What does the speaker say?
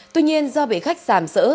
tuy nhiên do bị khách giảm sỡ